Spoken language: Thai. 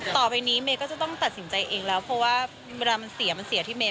ต่อไปนี้เมย์ก็จะต้องตัดสินใจเองแล้วเพราะว่าเวลามันเสียมันเสียที่เมย